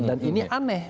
dan ini aneh